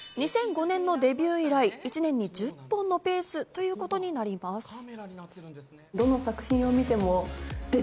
２００５年のデビュー以来、１年に１０本のペースということになります。